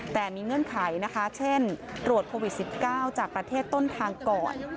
แต่มีเงื่อนไขนะคะเช่นตรวจโควิด๑๙จากประเทศต้นทางก่อน